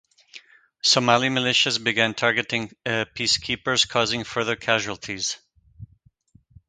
Somali militias began targeting peacekeepers, causing further casualties.